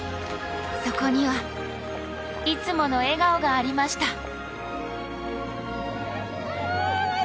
そこにはいつもの笑顔がありました。